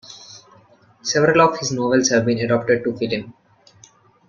Several of his novels have been adapted to film.